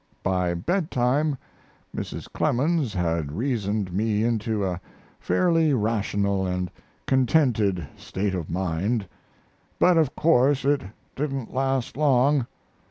By bedtime Mrs. Clemens had reasoned me into a fairly rational and contented state of mind; but of course it didn't last long.